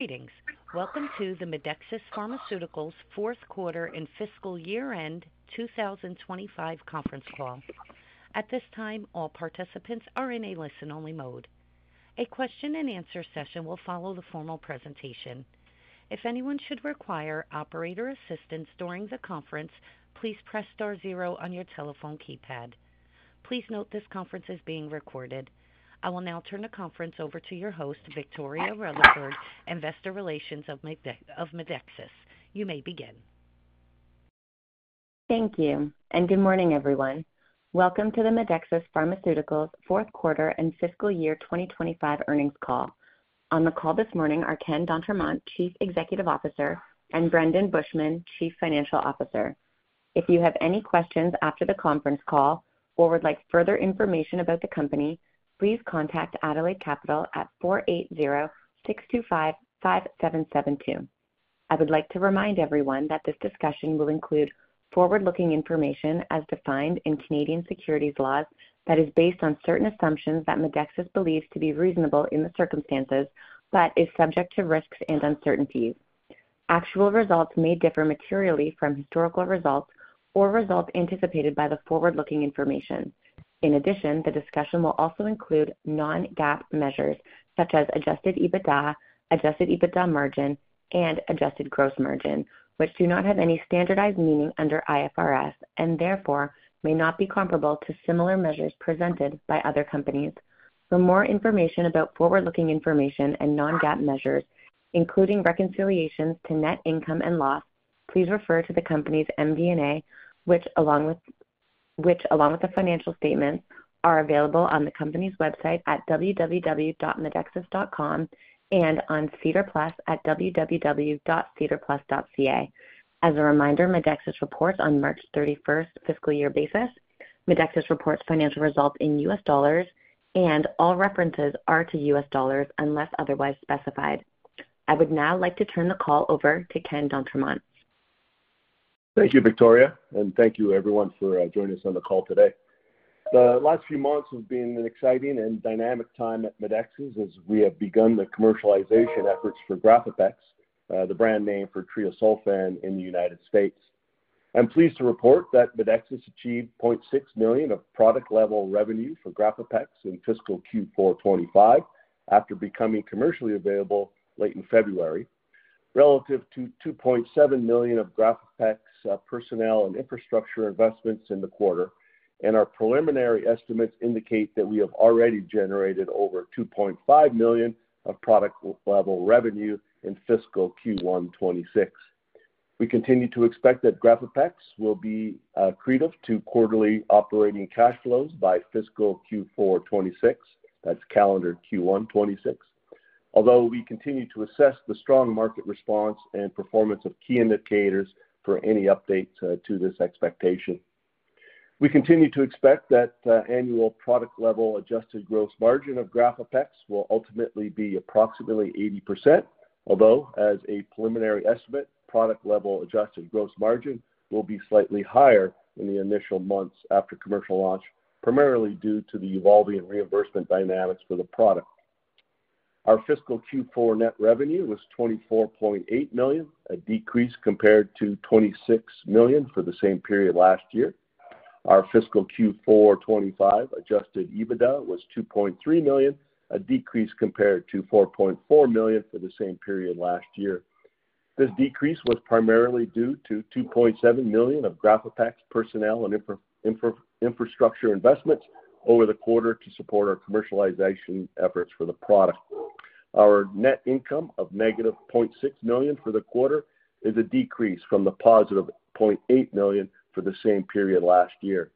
Greetings. Welcome to the Medexus Pharmaceuticals fourth quarter and fiscal year-end 2025 conference call. At this time, all participants are in a listen-only mode. A question-and-answer session will follow the formal presentation. If anyone should require operator assistance during the conference, please press star zero on your telephone keypad. Please note this conference is being recorded. I will now turn the conference over to your host, Victoria Rutherford, Investor Relations of Medexus. You may begin. Thank you, and good morning, everyone. Welcome to the Medexus Pharmaceuticals fourth quarter and fiscal year 2025 earnings call. On the call this morning are Ken d'Entremont, Chief Executive Officer, and Brendon Bushman, Chief Financial Officer. If you have any questions after the conference call or would like further information about the company, please contact Adelaide Capital at 480-625-5772. I would like to remind everyone that this discussion will include forward-looking information as defined in Canadian securities laws that is based on certain assumptions that Medexus believes to be reasonable in the circumstances but is subject to risks and uncertainties. Actual results may differ materially from historical results or results anticipated by the forward-looking information. In addition, the discussion will also include non-GAAP measures such as adjusted EBITDA, adjusted EBITDA margin, and adjusted gross margin, which do not have any standardized meaning under IFRS and therefore may not be comparable to similar measures presented by other companies. For more information about forward-looking information and non-GAAP measures, including reconciliations to net income and loss, please refer to the company's MD&A, which, along with the financial statements, are available on the company's website at www.medexus.com and on SEDAR+ at www.sedarplus.ca. As a reminder, Medexus reports on March 31 fiscal year basis. Medexus reports financial results in U.S. dollars, and all references are to U.S. dollars unless otherwise specified. I would now like to turn the call over to Ken d'Entremont. Thank you, Victoria, and thank you, everyone, for joining us on the call today. The last few months have been an exciting and dynamic time at Medexus as we have begun the commercialization efforts for GRAFAPEX, the brand name for treosulfan in the United States. I'm pleased to report that Medexus achieved $0.6 million of product-level revenue for GRAFAPEX in fiscal Q4 2025 after becoming commercially available late in February, relative to $2.7 million of GRAFAPEX personnel and infrastructure investments in the quarter. Our preliminary estimates indicate that we have already generated over $2.5 million of product-level revenue in fiscal Q1 2026. We continue to expect that GRAFAPEX will be accretive to quarterly operating cash flows by fiscal Q4 2026. That is calendar Q1 2026, although we continue to assess the strong market response and performance of key indicators for any updates to this expectation. We continue to expect that annual product-level adjusted gross margin of GRAFAPEX will ultimately be approximately 80%, although, as a preliminary estimate, product-level adjusted gross margin will be slightly higher in the initial months after commercial launch, primarily due to the evolving reimbursement dynamics for the product. Our fiscal Q4 net revenue was $24.8 million, a decrease compared to $26 million for the same period last year. Our fiscal Q4 2025 adjusted EBITDA was $2.3 million, a decrease compared to $4.4 million for the same period last year. This decrease was primarily due to $2.7 million of GRAFAPEX personnel and infrastructure investments over the quarter to support our commercialization efforts for the product. Our net income of -$0.6 million for the quarter is a decrease from the positive $0.8 million for the same period last year.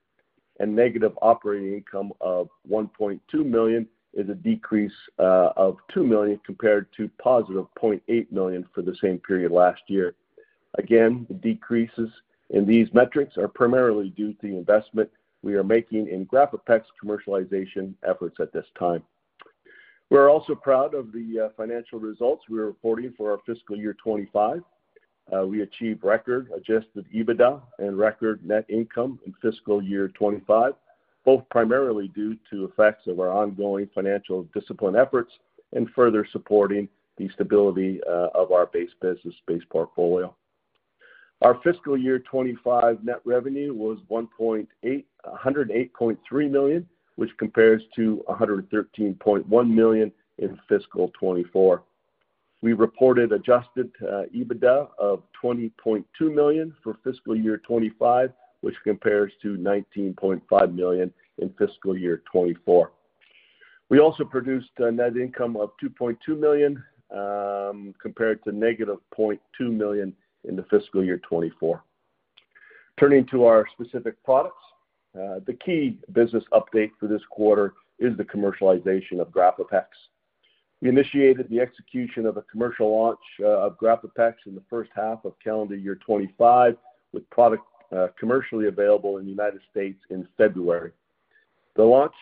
Negative operating income of $1.2 million is a decrease of $2 million compared to positive $0.8 million for the same period last year. The decreases in these metrics are primarily due to the investment we are making in GRAFAPEX commercialization efforts at this time. We are also proud of the financial results we are reporting for our fiscal year 2025. We achieved record adjusted EBITDA and record net income in fiscal year 2025, both primarily due to effects of our ongoing financial discipline efforts and further supporting the stability of our base business-based portfolio. Our fiscal year 2025 net revenue was $108.3 million, which compares to $113.1 million in fiscal 2024. We reported adjusted EBITDA of $20.2 million for fiscal year 2025, which compares to $19.5 million in fiscal year 2024. We also produced a net income of $2.2 million compared to -$0.2 million in the fiscal year 2024. Turning to our specific products, the key business update for this quarter is the commercialization of GRAFAPEX. We initiated the execution of a commercial launch of GRAFAPEX in the first half of calendar year 2025, with product commercially available in the United States in February. The launch,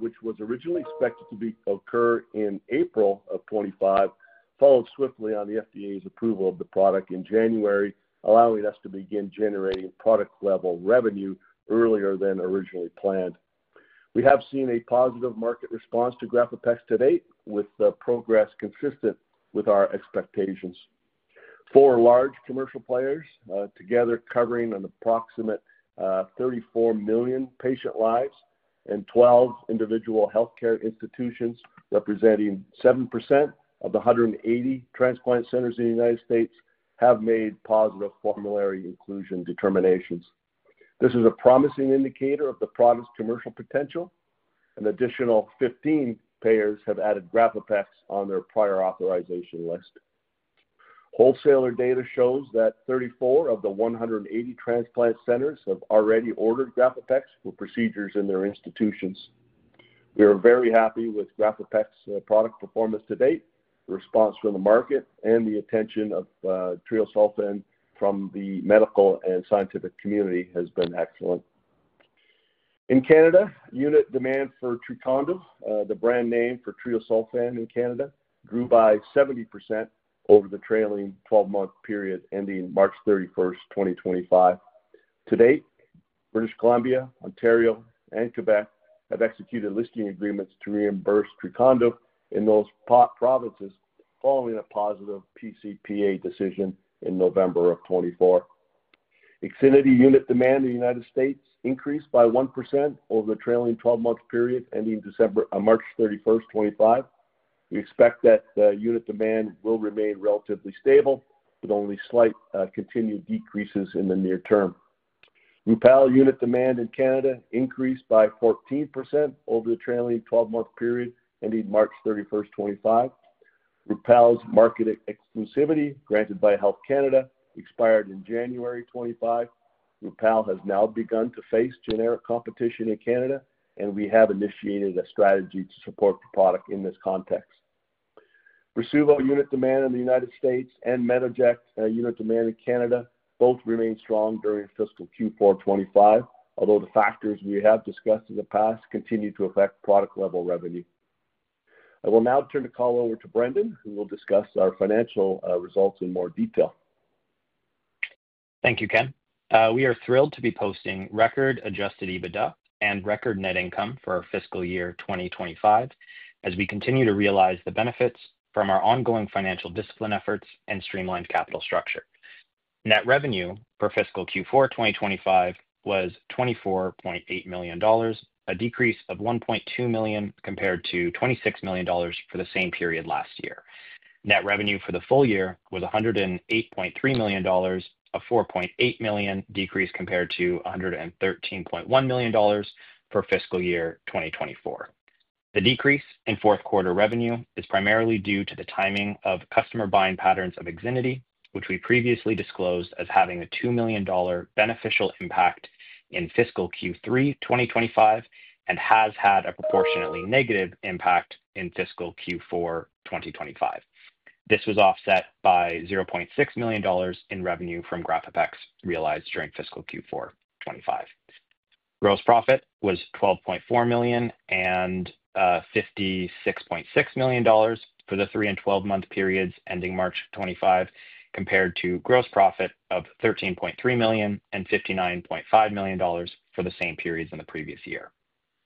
which was originally expected to occur in April of 2025, followed swiftly on the FDA's approval of the product in January, allowing us to begin generating product-level revenue earlier than originally planned. We have seen a positive market response to GRAFAPEX to date, with progress consistent with our expectations. Four large commercial players together covering an approximate 34 million patient lives and 12 individual healthcare institutions, representing 7% of the 180 transplant centers in the United States, have made positive formulary inclusion determinations. This is a promising indicator of the product's commercial potential. An additional 15 payers have added GRAFAPEX on their prior authorization list. Wholesaler data shows that 34 of the 180 transplant centers have already ordered GRAFAPEX for procedures in their institutions. We are very happy with GRAFAPEX's product performance to date. The response from the market and the attention of treosulfan from the medical and scientific community has been excellent. In Canada, unit demand for Trecondo, the brand name for treosulfan in Canada, grew by 70% over the trailing 12-month period ending March 31st, 2025. To date, British Columbia, Ontario, and Quebec have executed listing agreements to reimburse Trecondo in those provinces following a positive pCPA decision in November of 2024. IXINITY unit demand in the U.S. increased by 1% over the trailing 12-month period ending March 31st, 2025. We expect that unit demand will remain relatively stable, with only slight continued decreases in the near term. Rupall unit demand in Canada increased by 14% over the trailing 12-month period ending March 31st, 2025. Rupall's market exclusivity granted by Health Canada expired in January 2025. Rupall has now begun to face generic competition in Canada, and we have initiated a strategy to support the product in this context. Rasuvo unit demand in the United States and Medexus unit demand in Canada both remained strong during fiscal Q4 2025, although the factors we have discussed in the past continue to affect product-level revenue. I will now turn the call over to Brendon, who will discuss our financial results in more detail. Thank you, Ken. We are thrilled to be posting record adjusted EBITDA and record net income for our fiscal year 2025 as we continue to realize the benefits from our ongoing financial discipline efforts and streamlined capital structure. Net revenue for fiscal Q4 2025 was $24.8 million, a decrease of $1.2 million compared to $26 million for the same period last year. Net revenue for the full year was $108.3 million, a $4.8 million decrease compared to $113.1 million for fiscal year 2024. The decrease in fourth quarter revenue is primarily due to the timing of customer buying patterns of IXINITY, which we previously disclosed as having a $2 million beneficial impact in fiscal Q3 2025 and has had a proportionately negative impact in fiscal Q4 2025. This was offset by $0.6 million in revenue from GRAFAPEX realized during fiscal Q4 2025. Gross profit was $12.4 million and $56.6 million for the three and 12-month periods ending March 2025, compared to gross profit of $13.3 million and $59.5 million for the same periods in the previous year.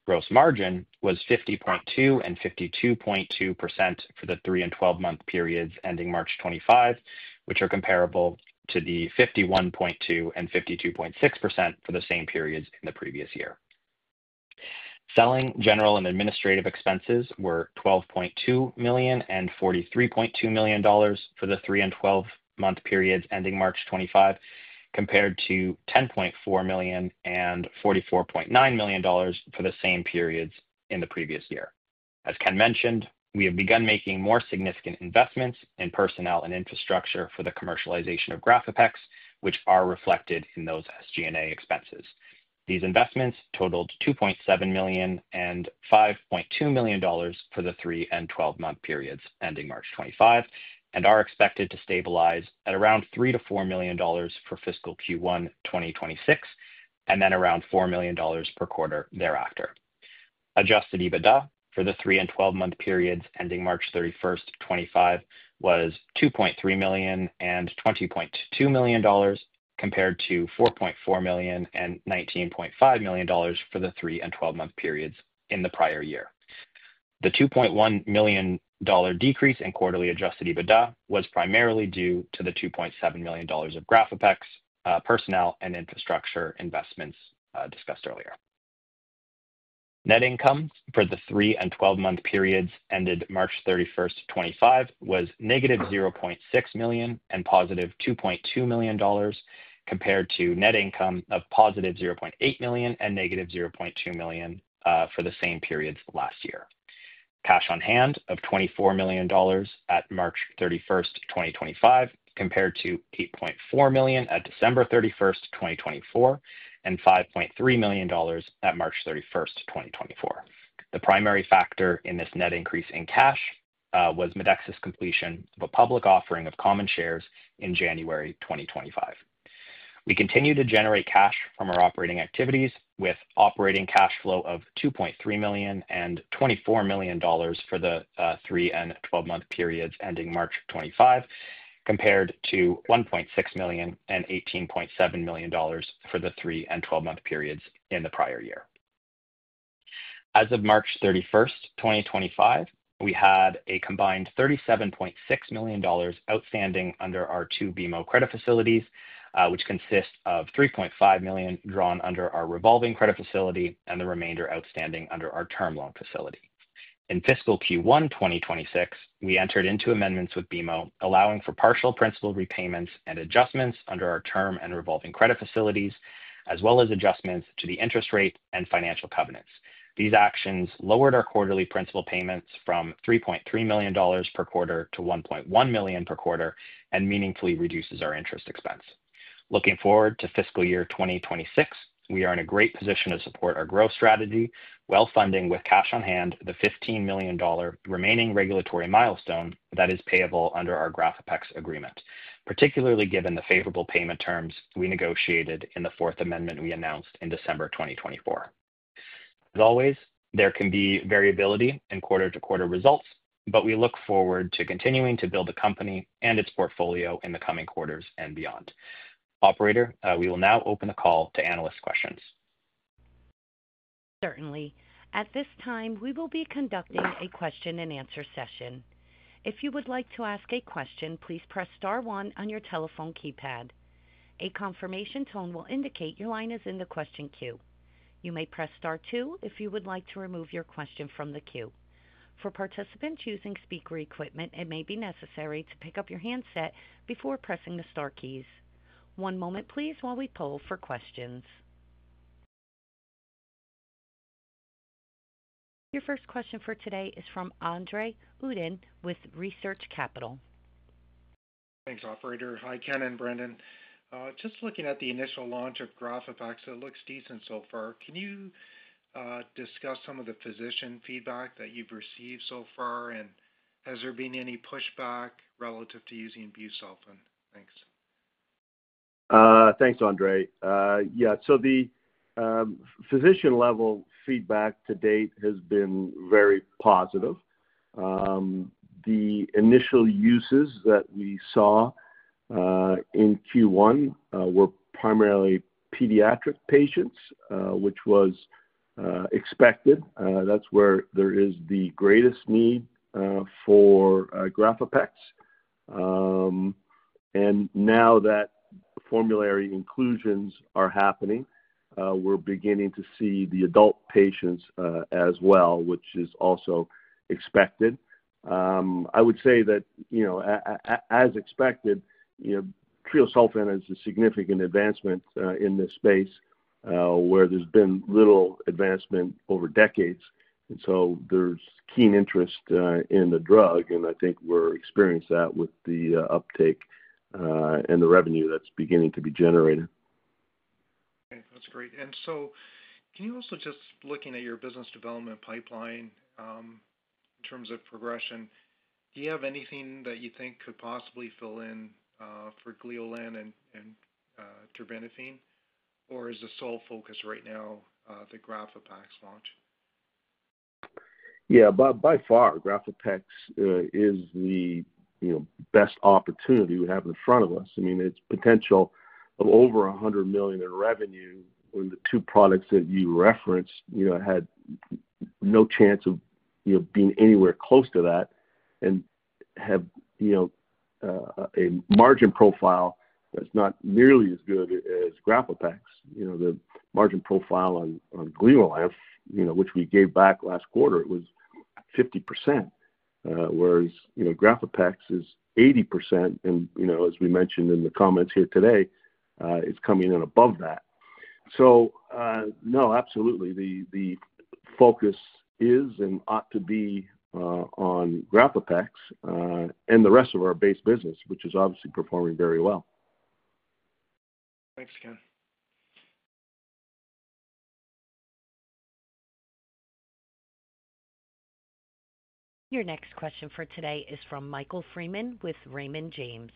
Gross margin was 50.2% and 52.2% for the three and 12-month periods ending March 2025, which are comparable to the 51.2% and 52.6% for the same periods in the previous year. Selling, general and administrative expenses were $12.2 million and $43.2 million for the three and 12-month periods ending March 2025, compared to $10.4 million and $44.9 million for the same periods in the previous year. As Ken d'Entremont mentioned, we have begun making more significant investments in personnel and infrastructure for the commercialization of GRAFAPEX, which are reflected in those SG&A expenses. These investments totaled $2.7 million and $5.2 million for the three and 12-month periods ending March 2025 and are expected to stabilize at around $3-4 million for fiscal Q1 2026 and then around $4 million per quarter thereafter. Adjusted EBITDA for the three and 12-month periods ending March 31st, 2025 was $2.3 million and $20.2 million, compared to $4.4 million and $19.5 million for the three and 12-month periods in the prior year. The $2.1 million decrease in quarterly adjusted EBITDA was primarily due to the $2.7 million of GRAFAPEX personnel and infrastructure investments discussed earlier. Net income for the three and 12-month periods ended March 31st, 2025 was -$0.6 million and positive $2.2 million, compared to net income of positive $0.8 million and -$0.2 million for the same periods last year. Cash on hand of $24 million at March 31st, 2025, compared to $8.4 million at December 31st, 2024, and $5.3 million at March 31st, 2024. The primary factor in this net increase in cash was Medexus' completion of a public offering of common shares in January 2025. We continue to generate cash from our operating activities with operating cash flow of $2.3 million and $24 million for the three and 12-month periods ending March 2025, compared to $1.6 million and $18.7 million for the three and 12-month periods in the prior year. As of March 31st, 2025, we had a combined $37.6 million outstanding under our two BMO credit facilities, which consist of $3.5 million drawn under our revolving credit facility and the remainder outstanding under our term loan facility. In fiscal Q1 2026, we entered into amendments with BMO, allowing for partial principal repayments and adjustments under our term and revolving credit facilities, as well as adjustments to the interest rate and financial covenants. These actions lowered our quarterly principal payments from $3.3 million per quarter to $1.1 million per quarter and meaningfully reduced our interest expense. Looking forward to fiscal year 2026, we are in a great position to support our growth strategy, well-funded with cash on hand the $15 million remaining regulatory milestone that is payable under our GRAFAPEX agreement, particularly given the favorable payment terms we negotiated in the Fourth Amendment we announced in December 2024. As always, there can be variability in quarter-to-quarter results, but we look forward to continuing to build the company and its portfolio in the coming quarters and beyond. Operator, we will now open the call to analyst questions. Certainly. At this time, we will be conducting a question-and-answer session. If you would like to ask a question, please press star one on your telephone keypad. A confirmation tone will indicate your line is in the question queue. You may press star two if you would like to remove your question from the queue. For participants using speaker equipment, it may be necessary to pick up your handset before pressing the star keys. One moment, please, while we poll for questions. Your first question for today is from Andre Uddin with Research Capital. Thanks, Operator. Hi, Ken and Brendon. Just looking at the initial launch of GRAFAPEX, it looks decent so far. Can you discuss some of the physician feedback that you've received so far, and has there been any pushback relative to using busulfan? Thanks. Thanks, Andre. Yeah, so the physician-level feedback to date has been very positive. The initial uses that we saw in Q1 were primarily pediatric patients, which was expected. That's where there is the greatest need for GRAFAPEX. Now that formulary inclusions are happening, we're beginning to see the adult patients as well, which is also expected. I would say that, as expected, treosulfan is a significant advancement in this space where there's been little advancement over decades. There is keen interest in the drug, and I think we're experiencing that with the uptake and the revenue that's beginning to be generated. Okay. That's great. Can you also just, looking at your business development pipeline in terms of progression, do you have anything that you think could possibly fill in for Gleolan and terbinafine, or is the sole focus right now the GRAFAPEX launch? Yeah, by far, GRAFAPEX is the best opportunity we have in front of us. I mean, its potential of over $100 million in revenue when the two products that you referenced had no chance of being anywhere close to that and have a margin profile that's not nearly as good as GRAFAPEX. The margin profile on Gleolan, which we gave back last quarter, was 50%, whereas GRAFAPEX is 80%. As we mentioned in the comments here today, it's coming in above that. No, absolutely, the focus is and ought to be on GRAFAPEX and the rest of our base business, which is obviously performing very well. Thanks, Ken. Your next question for today is from Michael Freeman with Raymond James.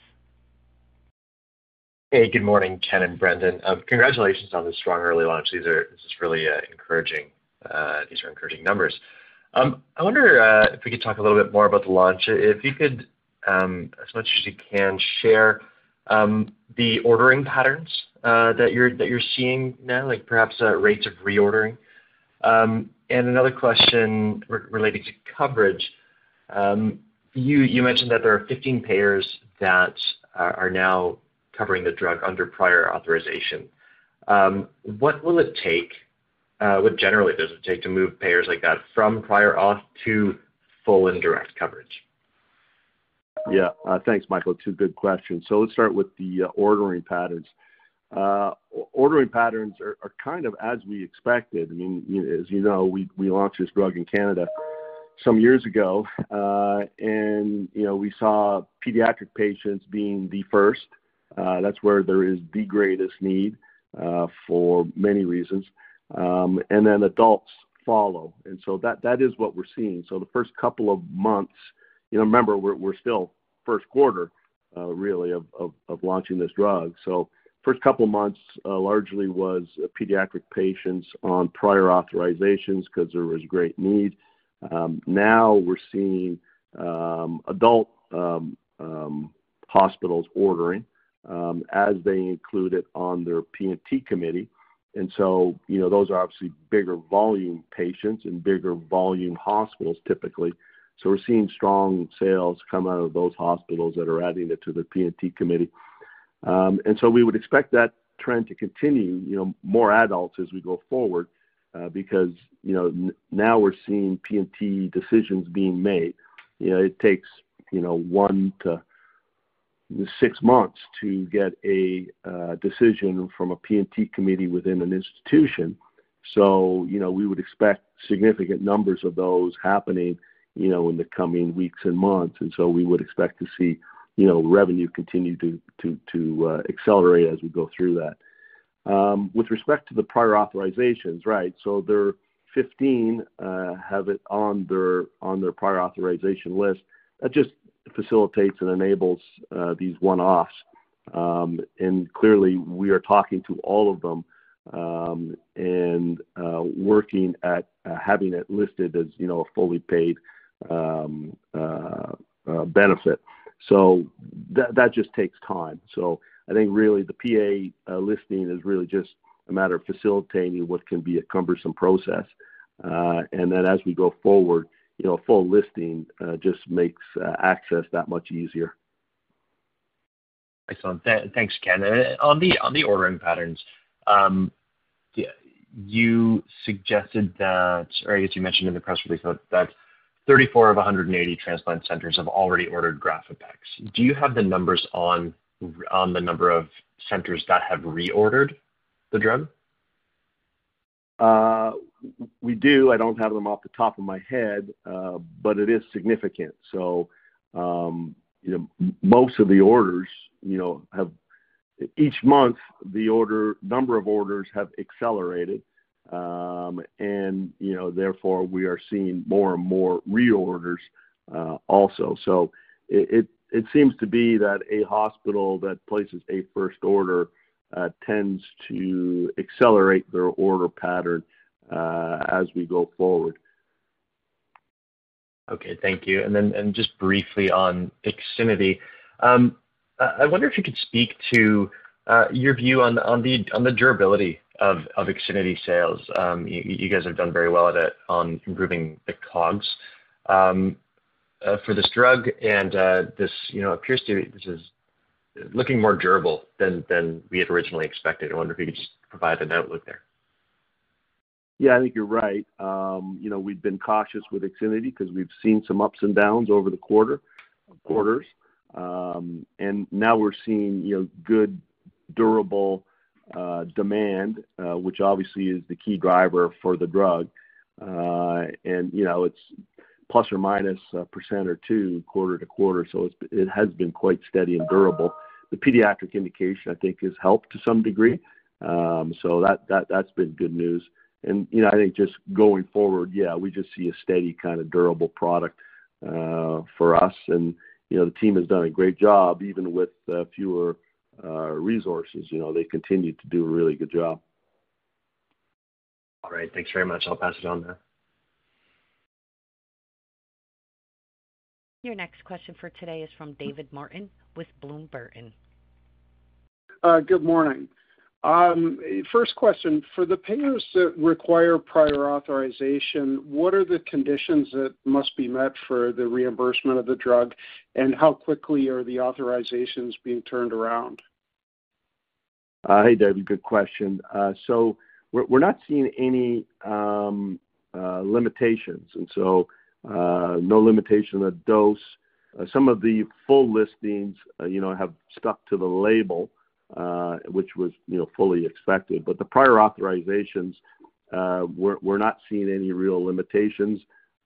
Hey, good morning, Ken and Brendon. Congratulations on the strong early launch. These are really encouraging numbers. I wonder if we could talk a little bit more about the launch. If you could, as much as you can, share the ordering patterns that you're seeing now, like perhaps rates of reordering. Another question relating to coverage. You mentioned that there are 15 payers that are now covering the drug under prior authorization. What will it take? What generally does it take to move payers like that from prior auth to full and direct coverage? Yeah. Thanks, Michael. Two good questions. Let's start with the ordering patterns. Ordering patterns are kind of as we expected. I mean, as you know, we launched this drug in Canada some years ago, and we saw pediatric patients being the first. That's where there is the greatest need for many reasons. Adults follow. That is what we're seeing. The first couple of months, remember, we're still first quarter, really, of launching this drug. The first couple of months largely was pediatric patients on prior authorizations because there was great need. Now we're seeing adult hospitals ordering as they include it on their P&T committee. Those are obviously bigger volume patients and bigger volume hospitals, typically. We're seeing strong sales come out of those hospitals that are adding it to the P&T committee. We would expect that trend to continue, more adults as we go forward, because now we're seeing P&T decisions being made. It takes one to six months to get a decision from a P&T committee within an institution. We would expect significant numbers of those happening in the coming weeks and months. We would expect to see revenue continue to accelerate as we go through that. With respect to the prior authorizations, right, there are 15 have it on their prior authorization list. That just facilitates and enables these one-offs. Clearly, we are talking to all of them and working at having it listed as a fully paid benefit. That just takes time. I think really the PA listing is really just a matter of facilitating what can be a cumbersome process. As we go forward, full listing just makes access that much easier. Excellent. Thanks, Ken. On the ordering patterns, you suggested that, or I guess you mentioned in the press release that 34 of 180 transplant centers have already ordered GRAFAPEX. Do you have the numbers on the number of centers that have reordered the drug? We do. I don't have them off the top of my head, but it is significant. Most of the orders have each month, the number of orders have accelerated. Therefore, we are seeing more and more reorders also. It seems to be that a hospital that places a first order tends to accelerate their order pattern as we go forward. Okay. Thank you. Then just briefly on IXINITY, I wonder if you could speak to your view on the durability of IXINITY sales. You guys have done very well at it on improving the COGS for this drug. This appears to be looking more durable than we had originally expected. I wonder if you could just provide an outlook there. Yeah, I think you're right. We've been cautious with IXINITY because we've seen some ups and downs over the quarters. Now we're seeing good durable demand, which obviously is the key driver for the drug. It's plus or minus a percent or two, quarter to quarter. It has been quite steady and durable. The pediatric indication, I think, has helped to some degree. That's been good news. I think just going forward, yeah, we just see a steady kind of durable product for us. The team has done a great job even with fewer resources. They continue to do a really good job. All right. Thanks very much. I'll pass it on now. Your next question for today is from David Martin with Bloom Burton. Good morning. First question. For the payers that require prior authorization, what are the conditions that must be met for the reimbursement of the drug, and how quickly are the authorizations being turned around? Hey, David, good question. We're not seeing any limitations. No limitation on the dose. Some of the full listings have stuck to the label, which was fully expected. The prior authorizations, we're not seeing any real limitations.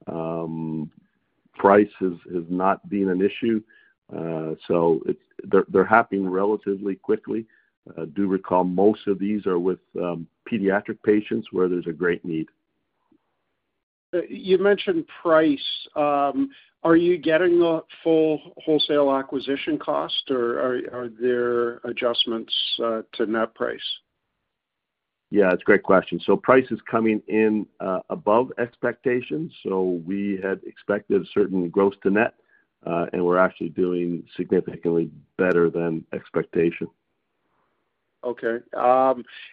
Price has not been an issue. They're happening relatively quickly. Do recall most of these are with pediatric patients where there's a great need. You mentioned price. Are you getting the full wholesale acquisition cost, or are there adjustments to net price? Yeah, it's a great question. Price is coming in above expectations. We had expected a certain gross to net, and we're actually doing significantly better than expectation. Okay.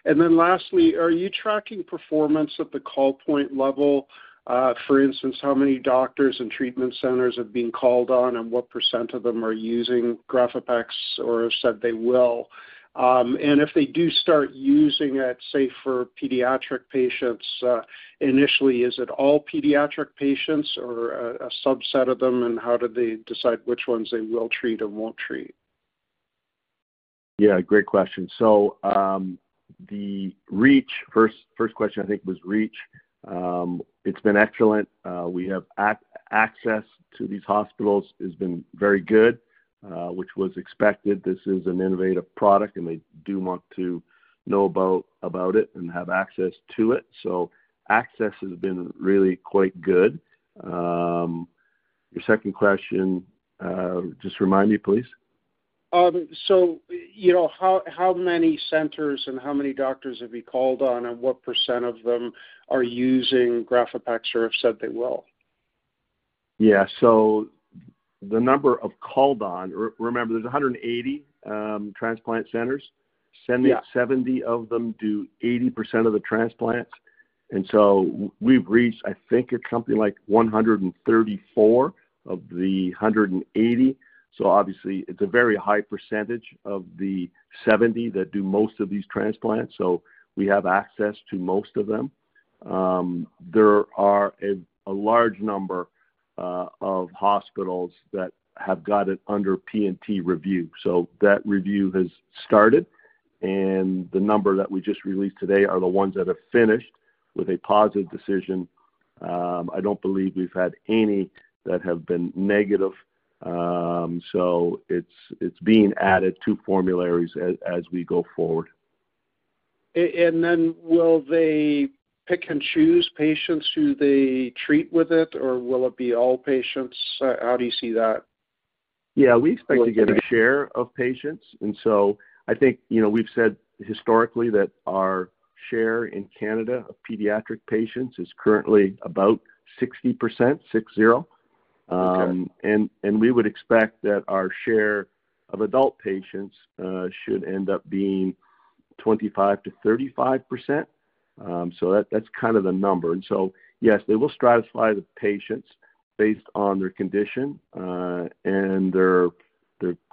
Lastly, are you tracking performance at the call point level? For instance, how many doctors and treatment centers have been called on, and what % of them are using GRAFAPEX or have said they will? If they do start using it, say, for pediatric patients initially, is it all pediatric patients or a subset of them, and how do they decide which ones they will treat and will not treat? Yeah, great question. The reach, first question, I think, was reach. It's been excellent. We have access to these hospitals. It's been very good, which was expected. This is an innovative product, and they do want to know about it and have access to it. Access has been really quite good. Your second question, just remind me, please. How many centers and how many doctors have you called on, and what % of them are using GRAFAPEX or have said they will? Yeah. So the number of called on, remember, there's 180 transplant centers. Seventy of them do 80% of the transplants. And so we've reached, I think, a company like 134 of the 180. Obviously, it's a very high percentage of the 70 that do most of these transplants. We have access to most of them. There are a large number of hospitals that have got it under P&T review. That review has started. The number that we just released today are the ones that have finished with a positive decision. I don't believe we've had any that have been negative. It's being added to formularies as we go forward. Will they pick and choose patients who they treat with it, or will it be all patients? How do you see that? Yeah, we expect to get a share of patients. I think we've said historically that our share in Canada of pediatric patients is currently about 60%, 60. We would expect that our share of adult patients should end up being 25%-35%. That's kind of the number. Yes, they will stratify the patients based on their condition and their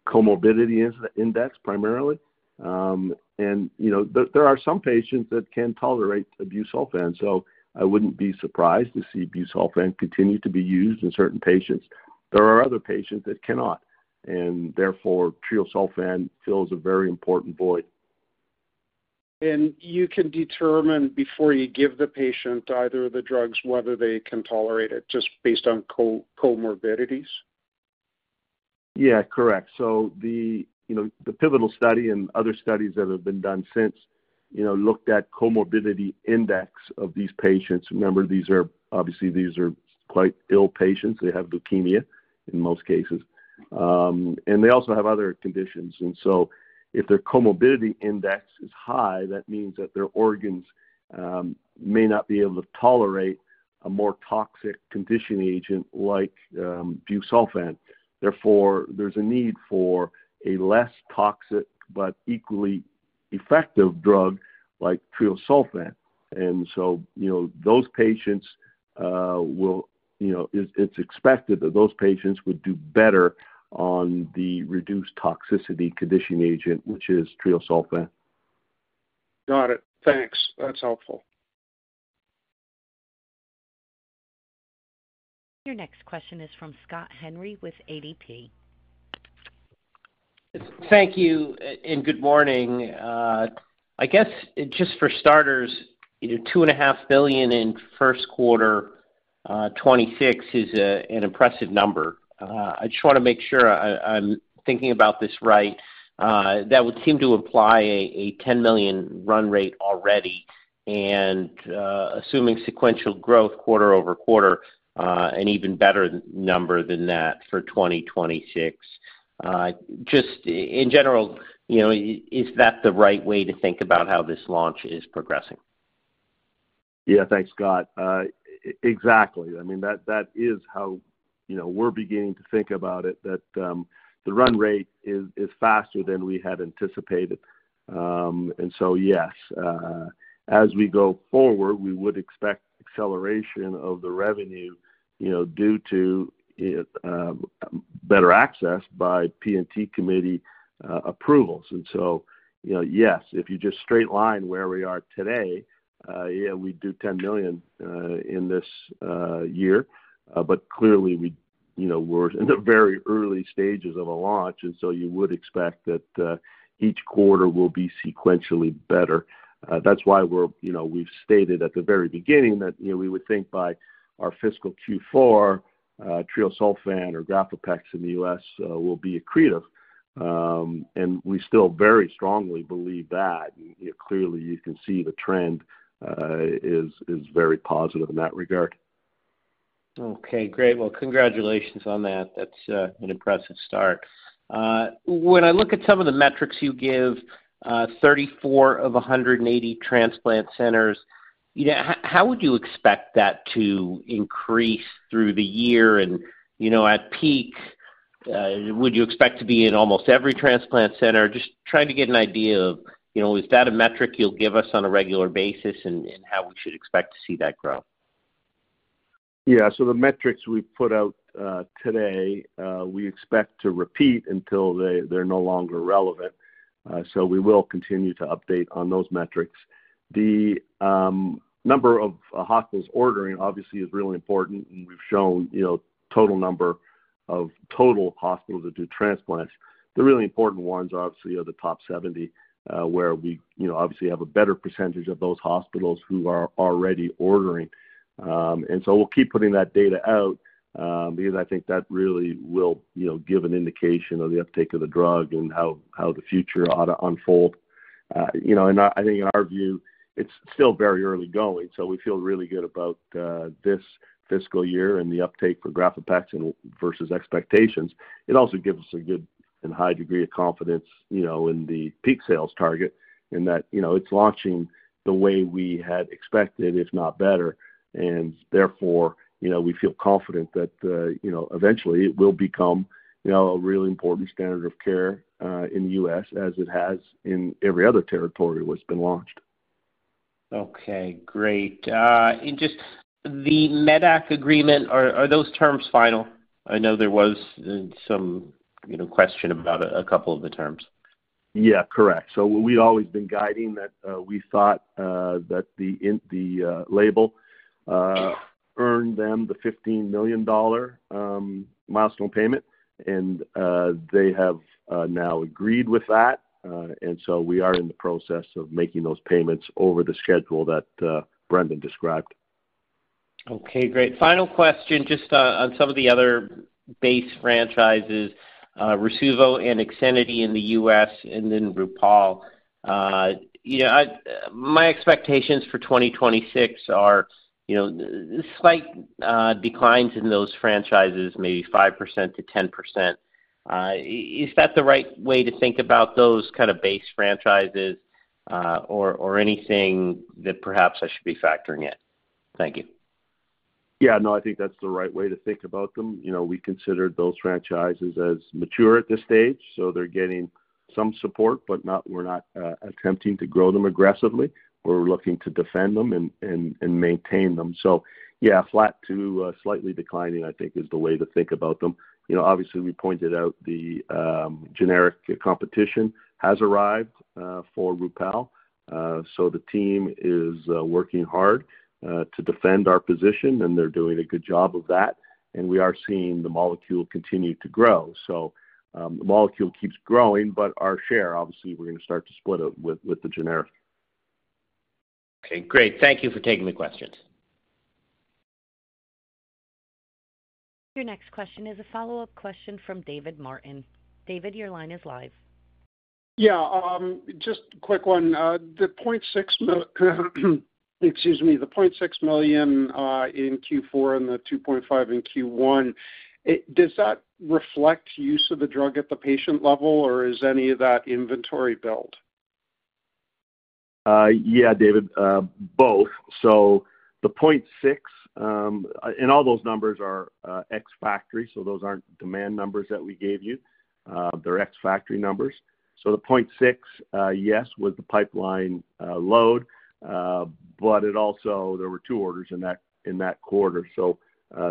comorbidity index primarily. There are some patients that can tolerate busulfan. I wouldn't be surprised to see busulfan continue to be used in certain patients. There are other patients that cannot. Therefore, treosulfan fills a very important void. You can determine before you give the patient either of the drugs whether they can tolerate it just based on comorbidities? Yeah, correct. The pivotal study and other studies that have been done since looked at comorbidity index of these patients. Remember, obviously, these are quite ill patients. They have leukemia in most cases. They also have other conditions. If their comorbidity index is high, that means that their organs may not be able to tolerate a more toxic conditioning agent like busulfan. Therefore, there is a need for a less toxic but equally effective drug like treosulfan. Those patients will, it's expected that those patients would do better on the reduced toxicity conditioning agent, which is treosulfan. Got it. Thanks. That's helpful. Your next question is from Scott Henry with AGP. Thank you. Good morning. I guess just for starters, $2.5 billion in first quarter 2026 is an impressive number. I just want to make sure I'm thinking about this right. That would seem to imply a $10 million run rate already. Assuming sequential growth quarter over quarter, an even better number than that for 2026. Just in general, is that the right way to think about how this launch is progressing? Yeah. Thanks, Scott. Exactly. I mean, that is how we're beginning to think about it, that the run rate is faster than we had anticipated. Yes, as we go forward, we would expect acceleration of the revenue due to better access by P&T committee approvals. Yes, if you just straight line where we are today, yeah, we'd do $10 million in this year. Clearly, we're in the very early stages of a launch. You would expect that each quarter will be sequentially better. That is why we've stated at the very beginning that we would think by our fiscal Q4, treosulfan or GRAFAPEX in the U.S. will be accretive. We still very strongly believe that. Clearly, you can see the trend is very positive in that regard. Okay. Great. Congratulations on that. That's an impressive start. When I look at some of the metrics you give, 34 of 180 transplant centers, how would you expect that to increase through the year? At peak, would you expect to be in almost every transplant center? Just trying to get an idea of, is that a metric you'll give us on a regular basis and how we should expect to see that grow? Yeah. The metrics we put out today, we expect to repeat until they're no longer relevant. We will continue to update on those metrics. The number of hospitals ordering, obviously, is really important. We've shown total number of total hospitals that do transplants. The really important ones, obviously, are the top 70, where we obviously have a better percentage of those hospitals who are already ordering. We'll keep putting that data out because I think that really will give an indication of the uptake of the drug and how the future ought to unfold. I think in our view, it's still very early going. We feel really good about this fiscal year and the uptake for GRAFAPEX versus expectations. It also gives us a good and high degree of confidence in the peak sales target in that it is launching the way we had expected, if not better. Therefore, we feel confident that eventually it will become a really important standard of care in the U.S. as it has in every other territory where it has been launched. Okay. Great. Just the Medac agreement, are those terms final? I know there was some question about a couple of the terms. Yeah, correct. We'd always been guiding that we thought that the label earned them the $15 million milestone payment. They have now agreed with that. We are in the process of making those payments over the schedule that Brendon described. Okay. Great. Final question just on some of the other base franchises, Rasuvo and IXINITY in the U.S., and then Rupall. My expectations for 2026 are slight declines in those franchises, maybe 5%-10%. Is that the right way to think about those kind of base franchises or anything that perhaps I should be factoring in? Thank you. Yeah. No, I think that's the right way to think about them. We consider those franchises as mature at this stage. They're getting some support, but we're not attempting to grow them aggressively. We're looking to defend them and maintain them. Yeah, flat to slightly declining, I think, is the way to think about them. Obviously, we pointed out the generic competition has arrived for Rupall. The team is working hard to defend our position, and they're doing a good job of that. We are seeing the molecule continue to grow. The molecule keeps growing, but our share, obviously, we're going to start to split it with the generic. Okay. Great. Thank you for taking the questions. Your next question is a follow-up question from David Martin. David, your line is live. Yeah. Just a quick one. The $0.6 million, excuse me, the $0.6 million in Q4 and the $2.5 million in Q1, does that reflect use of the drug at the patient level, or is any of that inventory built? Yeah, David, both. The 0.6, and all those numbers are ex-factory. Those are not demand numbers that we gave you. They are ex-factory numbers. The 0.6, yes, was the pipeline load. There were two orders in that quarter.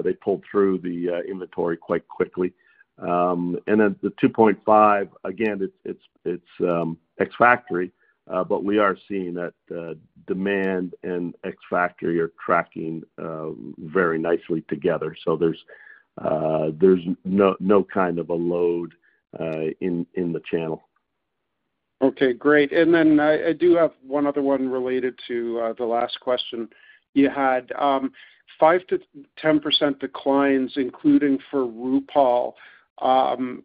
They pulled through the inventory quite quickly. The 2.5, again, is ex-factory, but we are seeing that demand and ex-factory are tracking very nicely together. There is no kind of a load in the channel. Okay. Great. I do have one other one related to the last question you had. 5%-10% declines, including for Rupall,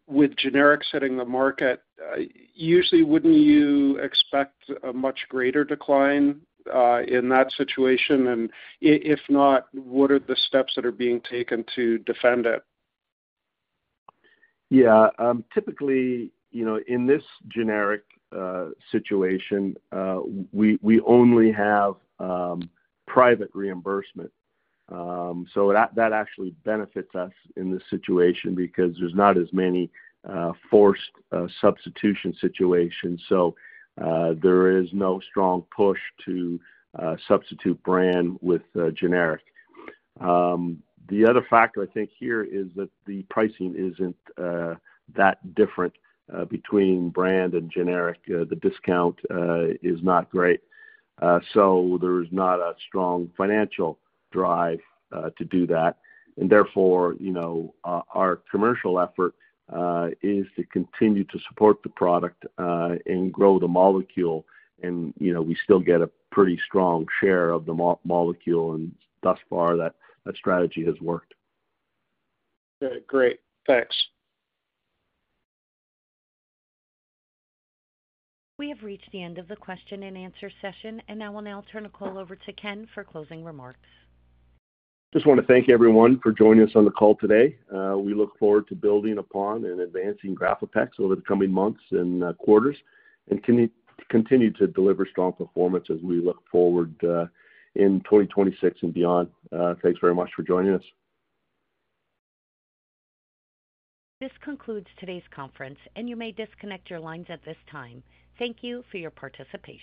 with generics hitting the market. Usually, would not you expect a much greater decline in that situation? If not, what are the steps that are being taken to defend it? Yeah. Typically, in this generic situation, we only have private reimbursement. That actually benefits us in this situation because there's not as many forced substitution situations. There is no strong push to substitute brand with generic. The other factor, I think, here is that the pricing isn't that different between brand and generic. The discount is not great. There is not a strong financial drive to do that. Therefore, our commercial effort is to continue to support the product and grow the molecule. We still get a pretty strong share of the molecule. Thus far, that strategy has worked. Okay. Great. Thanks. We have reached the end of the question and answer session. I will now turn the call over to Ken for closing remarks. Just want to thank everyone for joining us on the call today. We look forward to building upon and advancing GRAFAPEX over the coming months and quarters and continue to deliver strong performance as we look forward in 2026 and beyond. Thanks very much for joining us. This concludes today's conference, and you may disconnect your lines at this time. Thank you for your participation.